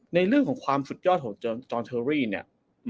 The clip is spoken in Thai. ในเรื่องของความสุดยอดของจอนเชอรี่เนี่ย